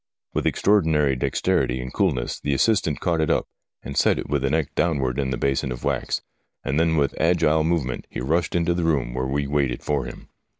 With extraordinary dexterity and coolness the assistant caught it up, and set it with the neck downwards in the basin of wax, and then with agile movement he rushed into the room where we waited for him.